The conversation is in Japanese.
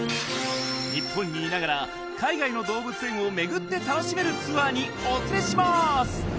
日本にいながら海外の動物園を巡って楽しめるツアーにお連れします！